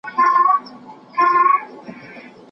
په مال کي برکت له صدقې سره وي.